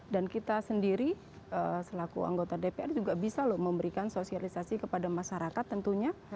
dan kita sendiri selaku anggota dpr juga bisa loh memberikan sosialisasi kepada masyarakat tentunya